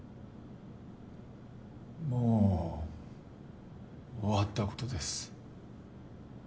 もう終わったことです。